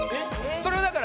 それはだから。